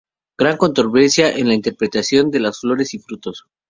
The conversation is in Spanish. Gran controversia en la interpretación de las flores y frutos.